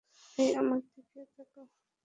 হেই, আমার দিকে তাকাও।